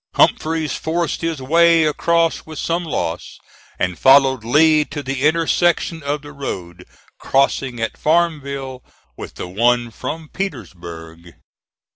Humphreys forced his way across with some loss, and followed Lee to the intersection of the road crossing at Farmville with the one from Petersburg.